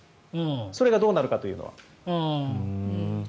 それがどうなるかというのは。